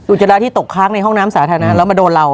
จราที่ตกค้างในห้องน้ำสาธารณะแล้วมาโดนเรา